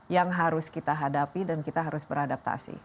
yang harus kita hadapi dan kita harus beradaptasi